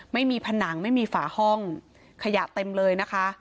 ไม่มีผนังไม่มีฝาห้องขยะเต็มเลยนะคะ